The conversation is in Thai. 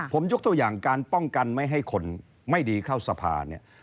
ผมยกตัวอย่างการป้องกันไม่ให้คนไม่ดีเข้าสภาเนี่ย